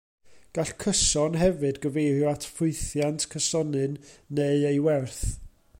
Gall cyson hefyd gyfeirio at ffwythiant cysonyn, neu ei werth.